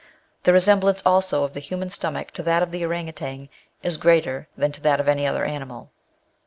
The resemblance also of the human stomach to that of the orang outang is greater than to that of any other animal.